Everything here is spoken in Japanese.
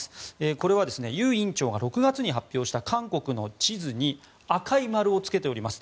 これはユ院長が６月に発表した韓国の地図に赤い丸をつけております。